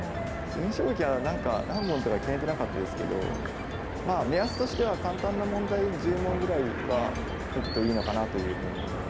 詰将棋は何問とか決めてなかったですけど目安としては簡単な問題１０問ぐらいは解くといいのかなというふうに思うので。